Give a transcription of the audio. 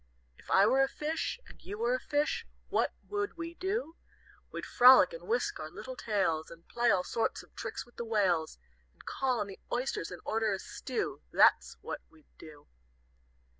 "If I were a fish And you were a fish, What would we do? We'd frolic, and whisk our little tails, And play all sorts of tricks with the whales, And call on the oysters, and order a 'stew,' That's what we'd do!